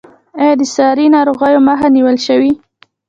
آیا د ساري ناروغیو مخه نیول شوې؟